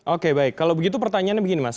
oke baik kalau begitu pertanyaannya begini mas